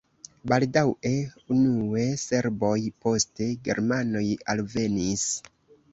Baldaŭe unue serboj, poste germanoj alvenis.